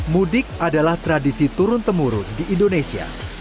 mudik adalah tradisi turun temurun di indonesia